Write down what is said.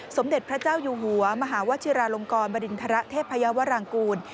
สมเด็จพระเจ้าอยู่หัวมหาวชิราลงกรบริณฑระเทพยาวรางกูล